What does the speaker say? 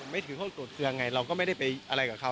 ไม่ถือโทษโกรธเกลือไงเราก็ไม่ได้ไปอะไรกับเขา